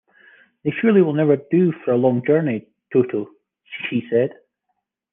"They surely will never do for a long journey, Toto," she said.